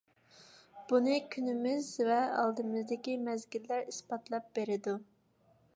بۇنى كۈنىمىز ۋە ئالدىمىزدىكى مەزگىللەر ئىسپاتلاپ بېرىدۇ.